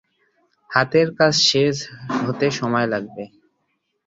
হাতের কাজ শেষ হতে সময় লাগবে।